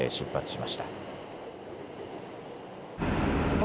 来ました。